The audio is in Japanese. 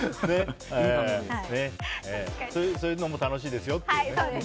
そういうのも楽しいですよっていう。